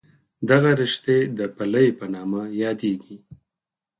دغه رشتې د پلې په نامه یادېږي.